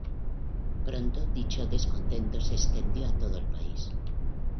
Pronto dicho descontento se extendió a todo el país.